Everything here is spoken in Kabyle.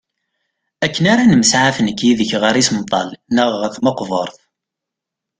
Akken ara nemsaɛaf nekk yid-k ɣer isemṭal neɣ ɣer tmeqbert.